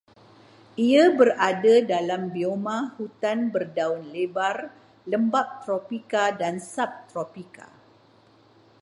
Ia berada dalam bioma hutan berdaun lebar lembap tropika dan subtropika